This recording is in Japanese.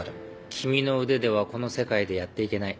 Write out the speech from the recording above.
君の腕ではこの世界でやっていけない。